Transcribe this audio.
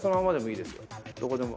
どこでも。